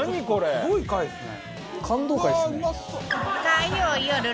すごい回っすね！